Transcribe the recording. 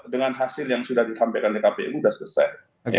dengan hasil yang sudah disampaikan ke kpu sudah selesai